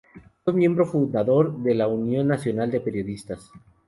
Fue miembro fundador de la Unión Nacional de Periodistas.